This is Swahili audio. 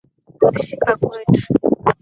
Amefika kwetu.